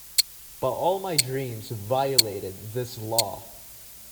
But all my dreams violated this law.